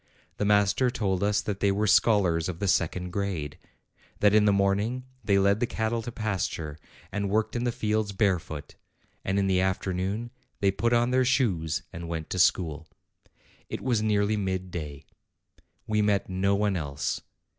The master told us that they were scholars of the second grade; that in the morning they led the cattle to pasture, and worked in 228 APRIL the fields barefoot; and in the afternoon they put on their shoes and went to school. It was nearly mid day. We met no one else.